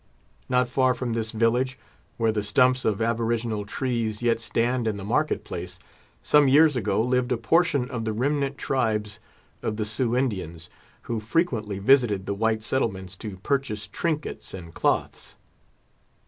Not far from this village, where the stumps of aboriginal trees yet stand in the market place, some years ago lived a portion of the remnant tribes of the Sioux Indians, who frequently visited the white settlements to purchase trinkets and cloths.